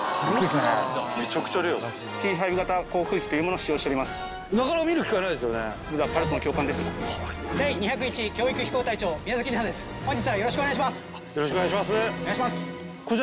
よろしくお願いします。